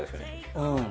うん。